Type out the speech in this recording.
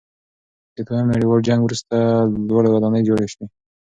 د دویم نړیوال جنګ وروسته لوړې ودانۍ جوړې شوې.